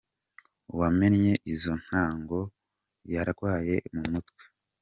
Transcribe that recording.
Uwamennye izo ntango yarwaye mu mutwe.